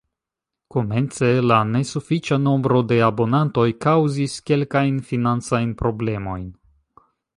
Komence la nesufiĉa nombro de abonantoj kaŭzis kelkajn financajn problemojn.